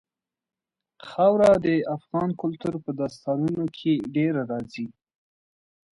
خاوره د افغان کلتور په داستانونو کې ډېره راځي.